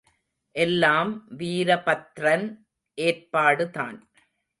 எல்லாம் வீரபத்ரன் ஏற்பாடுதான்.